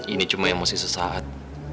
ini cuma emosi sesaat